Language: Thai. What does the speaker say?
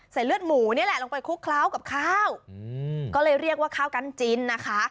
เลือดหมูนี่แหละลงไปคลุกเคล้ากับข้าวก็เลยเรียกว่าข้าวกันจิ้นนะคะ